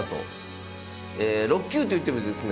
６級といってもですね